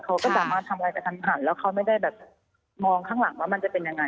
เขาก็สามารถทำอะไรกระทันหันแล้วเขาไม่ได้แบบมองข้างหลังว่ามันจะเป็นยังไง